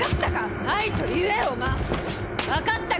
分かったか？